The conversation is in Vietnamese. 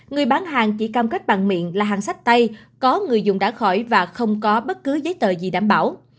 người bán hàng chỉ cam kết bằng miệng là hàng sách tay có người dùng đã khỏi và không có bất cứ giấy tờ gì đảm bảo